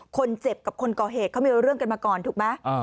คนเจ็บกับคนก่อเหตุเขามีเรื่องกันมาก่อนถูกไหม